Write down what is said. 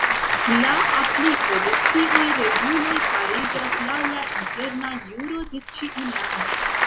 La apliko de tiuj reguloj fariĝas laŭ la interna juro de ĉiu lando.